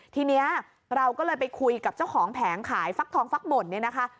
ทีนี้เราก็เลยไปคุยกับเจ้าของแผงขายฟักทองฟักบ่นเนี่ยนะคะ